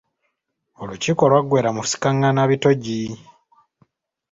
Olukiiko lw’aggweera mu kusikaղղana bitogi.